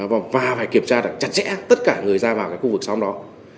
và phải kiểm tra chặt chẽ tất cả người ra vào cái khu vực xong đó